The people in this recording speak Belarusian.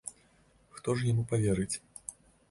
Хто ж яму паверыць?